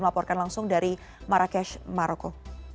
melaporkan langsung dari marrakesh maroko